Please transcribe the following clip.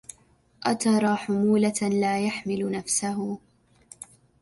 أترى حمولة لا يحمل نفسه